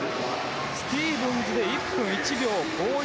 スティーブンズで１分１秒５１。